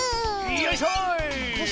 よいしょい！